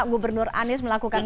gubernur anies melakukan